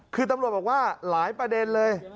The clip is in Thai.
คือตำรวจบอกว่าหลายประเด็นเลย